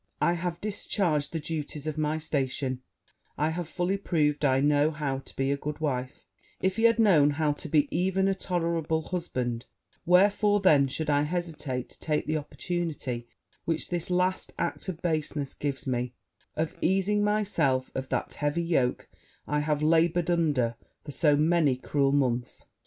I have discharged the duties of my station; I have fully proved I know how to be a good wife, if he had known how to be even a tolerable husband: wherefore, then, should I hesitate to take the opportunity, which this last act of baseness gives me, of easing myself of that heavy yoke I have laboured under for so many cruel months?'